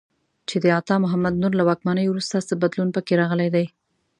چې د عطا محمد نور له واکمنۍ وروسته څه بدلون په کې راغلی دی.